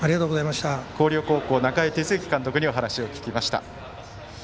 広陵高校、中井哲之監督にお話を聞きました。